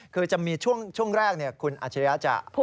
คือจะมีช่วงแรกเนี่ยคุณอัจฉริยะจะพูด